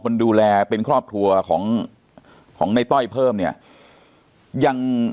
คนดูแลเป็นครอบครัวของของในต้อยเพิ่มเนี่ยยัง